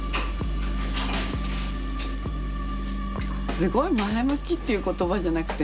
すごい前向きっていう言葉じゃなくて何ていうかな